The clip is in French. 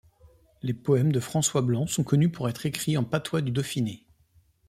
Les poèmes de François Blanc sont connus pour être écrits en patois du Dauphiné.